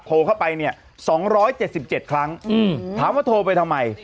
โทรเข้าไปเนี่ย๒๗๗ครั้งถามว่าโทรไปทำไม